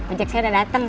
ojek saya udah dateng